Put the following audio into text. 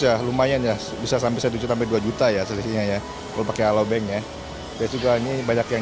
ya lumayan ya bisa sampai tujuh dua juta ya selanjutnya ya kalau pakai alo banknya ya juga ini banyak yang